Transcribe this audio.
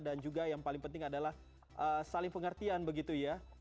dan juga yang paling penting adalah saling pengertian begitu ya